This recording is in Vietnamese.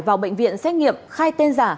vào bệnh viện xét nghiệm khai tên giả